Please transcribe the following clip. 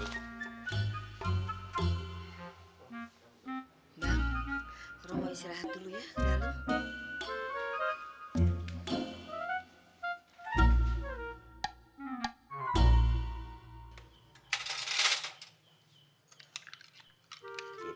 bang kamu mau istirahat dulu ya